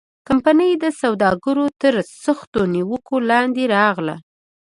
کمپنۍ د سوداګرو تر سختو نیوکو لاندې راغله.